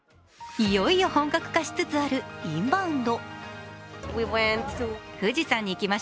いよいよ本格化しつつあるインバウンド。